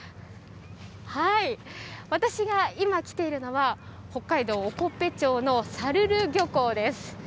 私が今来ているのは、北海道興部町の沙留漁港です。